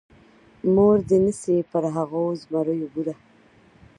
مور دي نه سي پر هغو زمریو بوره !.